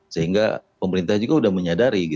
sehingga pemerintah juga sudah menyadari